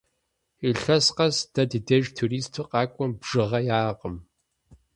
Илъэс къэс дэ ди деж туристу къакӀуэм бжыгъэ яӀэкъым.